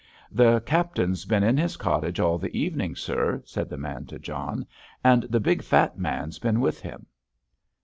"The captain's been in his cottage all the evening, sir," said the man to John, "and the big, fat man's been with him."